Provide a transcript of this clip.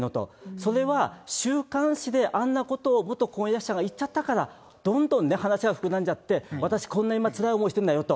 それは、週刊誌であんなことを、元婚約者が言っちゃったから、どんどんね、話が膨らんじゃって、私、こんなに今、つらい思いしてんだよと。